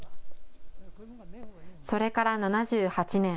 それから７８年。